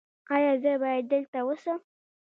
ایا زه باید دلته اوسم؟